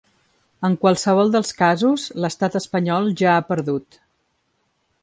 En qualsevol dels casos, l’estat espanyol ja ha perdut.